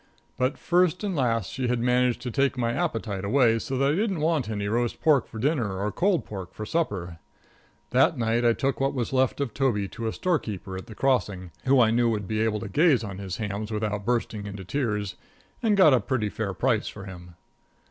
But first and last she had managed to take my appetite away so that I didn't want any roast pork for dinner or cold pork for supper. That night I took what was left of Toby to a store keeper at the Crossing, who I knew would be able to gaze on his hams without bursting into tears, and got a pretty fair price for him.